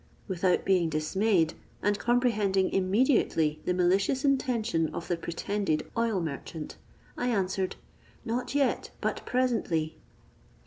Without being dismayed, and comprehending immediately the malicious intention of the pretended oil merchant, I answered, 'Not yet, but presently.'